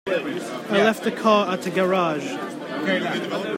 I left the car at the garage.